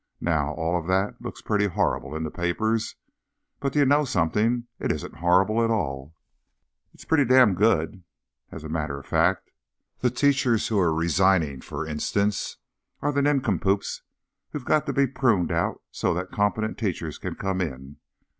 Now, all of that looks pretty horrible in the papers, but do you know something? It isn't horrible at all._ It's pretty damn good, as a matter of fact. _The teachers who are resigning, for instance, are the nincompoops who've got to be pruned out so that competent teachers can come in.